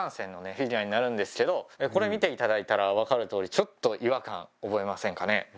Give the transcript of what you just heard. フィギュアになるんですけどこれ見て頂いたら分かるとおりちょっと違和感覚えませんかね？